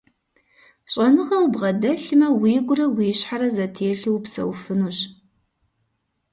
ЩӀэныгъэ убгъэдэлъмэ, уигурэ уи щхьэрэ зэтелъу упсэуфынущ.